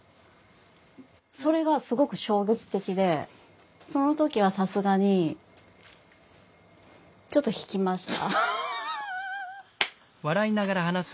それがすごく衝撃的でその時はさすがにちょっと引きました。